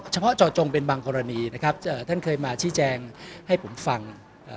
เฉพาะเจาะจงเป็นบางกรณีนะครับท่านเคยมาชี้แจงให้ผมฟัง